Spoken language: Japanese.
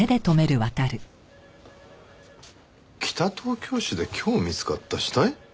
北東京市で今日見つかった死体？